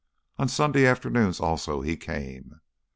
On Sunday afternoons, also, he came.